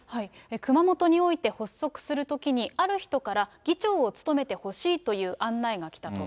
熊本において発足するときに、ある人から議長を務めてほしいという案内が来たと。